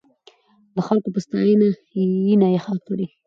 د ښکلو په ستاينه، ينه پخه کړې